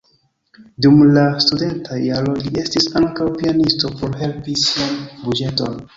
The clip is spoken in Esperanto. Dum la studentaj jaroj li estis ankaŭ pianisto por helpi sian buĝeton.